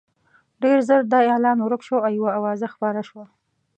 ډېر ژر دا اعلان ورک شو او یوه اوازه خپره شوه.